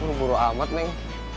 buru buru amat neng